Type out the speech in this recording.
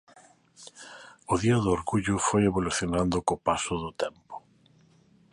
O Día do Orgullo foi evolucionando co paso do tempo.